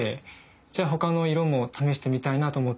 じゃ他の色も試してみたいなと思って。